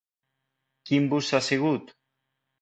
Quin bus ha sigut?